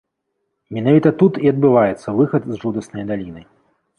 Менавіта тут і адбываецца выхад з жудаснай даліны.